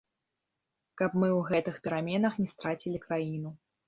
Каб мы ў гэтых пераменах не страцілі краіну.